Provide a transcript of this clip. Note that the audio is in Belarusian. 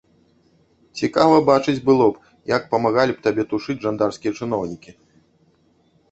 Цікава бачыць было б, як памагалі б табе тушыць жандарскія чыноўнікі.